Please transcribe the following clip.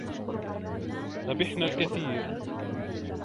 ربحنا الكثير.